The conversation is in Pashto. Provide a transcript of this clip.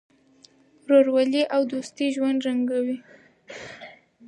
ورورولي او دوستي ژوند رنګینوي.